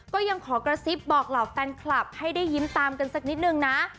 ก็ยังขอกระซิบบอกเหล่าแฟนคลับให้ได้ยิ้มตามกันสักนิดนึงนะ